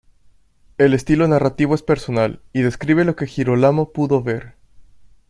El estilo narrativo es personal, y describe lo que Girolamo pudo ver.